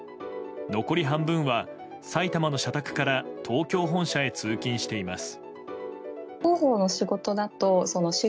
残り半分は埼玉の社宅から東京本社へ通勤しています。